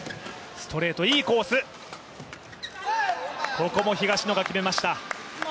ここも東野が決めました。